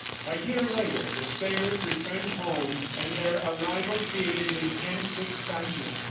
A year later the sailors returned home, and their arrival created intense excitement.